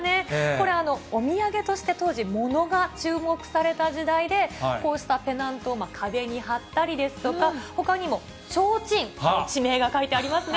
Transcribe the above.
これ、お土産として当時、ものが注目された時代で、こうしたペナントを壁に貼ったりですとか、ほかにもちょうちん、地名が書いてありますね。